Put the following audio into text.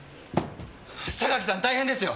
榊さん大変ですよ！